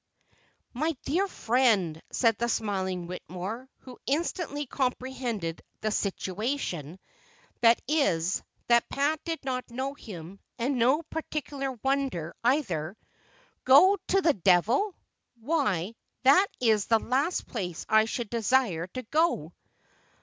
"My dear friend," said the smiling Whittemore, who instantly comprehended "the situation" that is, that Pat did not know him, and no particular wonder, either "'go to the devil?' why, that is the last place I should desire to go to!"